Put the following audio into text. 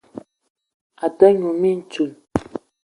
A te num mintchoul